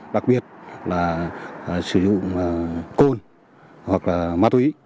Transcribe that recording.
đặc biệt là sử dụng côn hoặc là ma túy